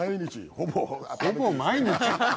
ほぼ毎日！？